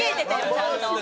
ちゃんと。